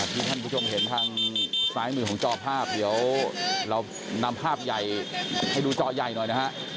ที่ท่านผู้ชมเห็นทางซ้ายมือของจอภาพเดี๋ยวเรานำภาพใหญ่ให้ดูจอใหญ่หน่อยนะฮะ